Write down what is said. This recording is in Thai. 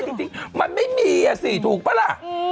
ก็ได้จริงมันไม่มีถูกป่ะล่ะ